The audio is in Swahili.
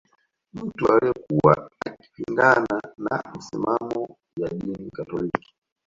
Mtu aliyekuwa akipingana na misimamo ya dini katoliki